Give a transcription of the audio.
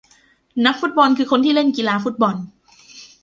นักฟุตบอลคือคนที่เล่นกีฬาฟุตบอล